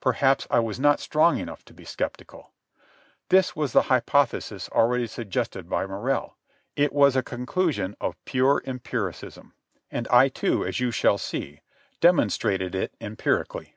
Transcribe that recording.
Perhaps I was not strong enough to be sceptical. This was the hypothesis already suggested by Morrell. It was a conclusion of pure empiricism, and I, too, as you shall see, demonstrated it empirically.